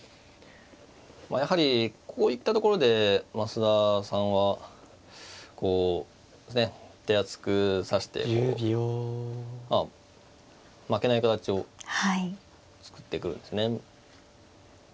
やはりこういったところで増田さんはこうね手厚く指して負けない形を作ってくるんですね。